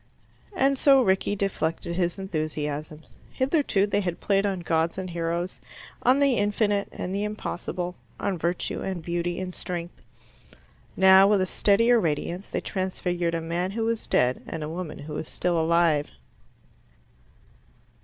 And so Rickie deflected his enthusiasms. Hitherto they had played on gods and heroes, on the infinite and the impossible, on virtue and beauty and strength. Now, with a steadier radiance, they transfigured a man who was dead and a woman who was still alive.